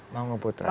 mangu putra ya